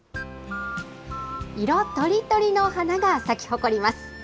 色とりどりの花が咲き誇ります。